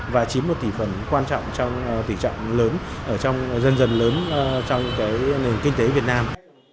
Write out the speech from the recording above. và chiếm một tỷ phần quan trọng trong tỷ trọng lớn dần dần lớn trong nền kinh tế việt nam